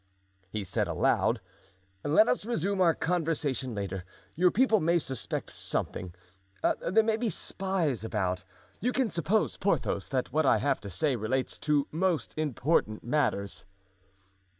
'" "Well," he said aloud, "let us resume our conversation later, your people may suspect something; there may be spies about. You can suppose, Porthos, that what I have to say relates to most important matters."